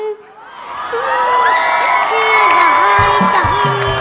เฮ้อเศรียดายจัง